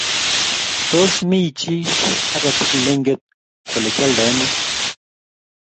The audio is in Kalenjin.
tos? Me chii age tugul neinget kole kioldoe nee?